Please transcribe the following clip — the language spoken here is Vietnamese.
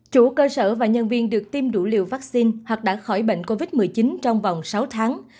chủ cơ sở và nhân viên được tiêm đủ liều vaccine hoặc đã khỏi bệnh covid một mươi chín trong vòng sáu tháng